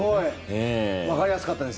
わかりやすかったです。